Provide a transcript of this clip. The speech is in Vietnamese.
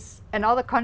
thịt nặng đặc đặc